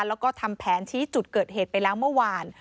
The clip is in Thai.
แล้วก็ทำแผนชี้จุดเกิดเหตุไปแล้วเมื่อวาน